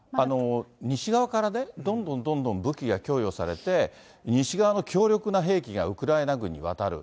西側からね、どんどんどんどん武器が供与されて、西側の強力な兵器がウクライナ軍に渡る。